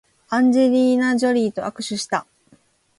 アンジェリーナジョリーと握手した